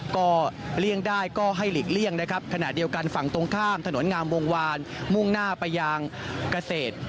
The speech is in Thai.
ก็เลี่ยงได้ก็ให้หลีกเลี่ยงนะครับขณะเดียวกันฝั่งตรงข้ามถนนงามวงวานมุ่งหน้าไปยังเกษตร